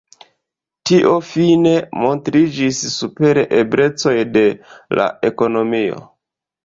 Tio fine montriĝis super eblecoj de la ekonomio.